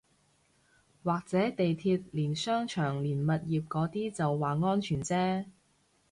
或者地鐵連商場連物業嗰啲就話安全啫